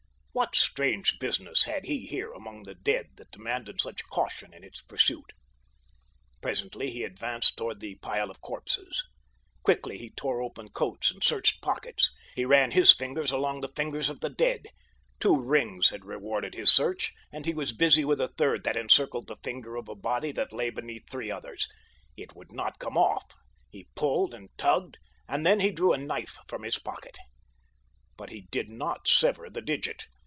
What strange business had he here among the dead that demanded such caution in its pursuit? Presently he advanced toward the pile of corpses. Quickly he tore open coats and searched pockets. He ran his fingers along the fingers of the dead. Two rings had rewarded his search and he was busy with a third that encircled the finger of a body that lay beneath three others. It would not come off. He pulled and tugged, and then he drew a knife from his pocket. But he did not sever the digit.